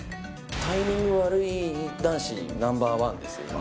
タイミング悪い男子ナンバーワンです、今。